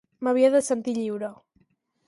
M'havia de sentir lliure.